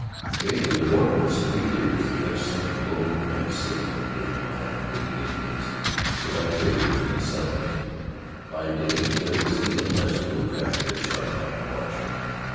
Vainly the borderman strained ears to catch some low night signal given by waiting Indians to the white traitor within the settlement. By day there was even less to attract the sharp eyed watcher.